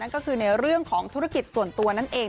ก็คือในเรื่องของธุรกิจส่วนตัวนั่นเอง